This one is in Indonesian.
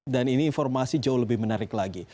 dan ini informasi jauh lebih menarik lagi